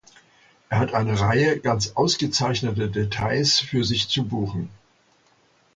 Er hat eine Reihe ganz ausgezeichneter Details für sich zu buchen.